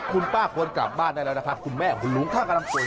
คุณป้าควรกลับบ้านได้แล้วนะคะคุณแม่คุณหลุงข้ากำลังโกยนะ